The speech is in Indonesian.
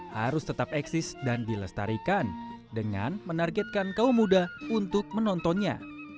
harus tetap eksis dan dilestarikan dengan menargetkan kaum muda untuk menontonnya